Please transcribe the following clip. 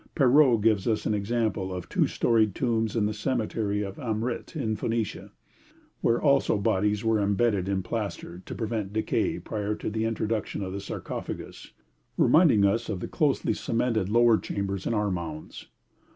Perrot gives us an example of two storied tombs in the cemetery of Amrit, in Phoenicia, where also the bodies were embedded in plaster to prevent decay prior to the introduction of the sarcophagus, reminding us of the closely cemented lower chambers in our mounds.